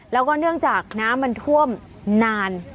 แล้วก็เนื่องจากน้ำมันท่วมนาน